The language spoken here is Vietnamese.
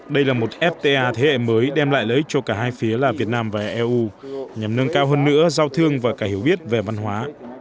đây là một fta thế hệ mới đem lại lấy cho cả hai phía là việt nam và eu nhằm nâng cao hơn nữa giao thương và cả hiểu biết về văn hóa